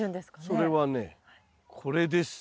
それはねこれです。